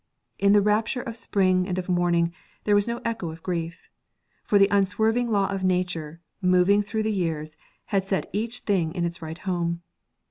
In the rapture of spring and of morning there was no echo of grief; for the unswerving law of nature, moving through the years, had set each thing in its right home.